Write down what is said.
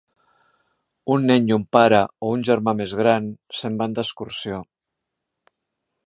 Un nen i un pare o un germà més gran se'n van d'excursió